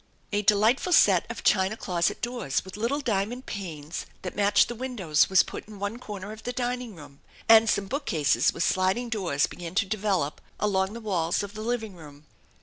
A delightful set of china closet doors with little diamond panes that matched the windows was put in one corner of the dining room, and some bookcases with sliding doors began to develop along the w&. s of the living room.